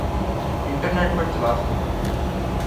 internet پر تلاش کر لو